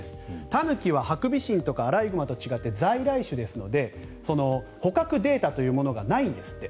タヌキはハクビシンとかアライグマと違って在来種ですので捕獲データというものがないんですって。